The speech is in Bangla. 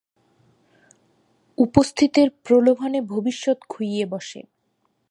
উপস্থিতের প্রলোভনে ভবিষ্যৎ খুইয়ে বসে।